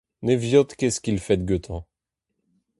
Ne viot ket skilfet gantañ.